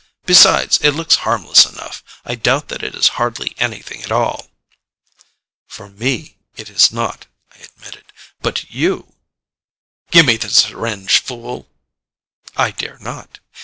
Besides, it looks harmless enough. I doubt that it is hardly anything at all." "For me it is not," I admitted. "But you " "Give me the syringe, fool!" "I dare not."